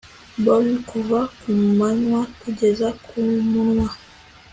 Borne kuva kumunwa kugeza kumunwa